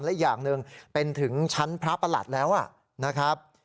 และอีกอย่างหนึ่งเป็นถึงชั้นพระประหลัดแล้วนะครับ